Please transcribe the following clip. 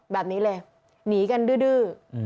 แบบนี้เลยหนีกันดื้อ